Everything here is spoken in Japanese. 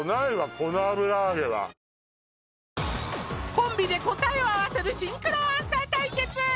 コンビで答えを合わせるシンクロアンサー